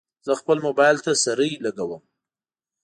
زه خپل موبایل ته سرۍ لګوم.